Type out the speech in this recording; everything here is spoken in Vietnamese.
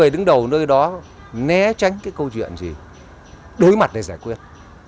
đứng đầu nơi đó né tránh cái câu chuyện gì đối mặt để giải quyết